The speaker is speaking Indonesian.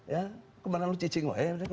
ya kemana lu cacing